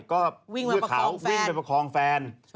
ก็เวลาเขาวิ่งมาประคองแฟน